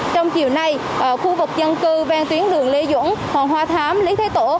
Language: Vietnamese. trong chiều nay khu vực dân cư ven tuyến đường lê duẩn hòn hoa thám lý thái tổ